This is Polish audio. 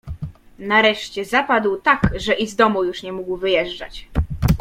"Nareszcie zapadł tak, że i z domu już nie mógł wyjeżdżać."